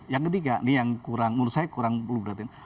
yang ketiga ini yang menurut saya kurang perlu diperhatikan